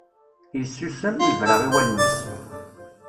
Yessusem, yebra i wallen-is.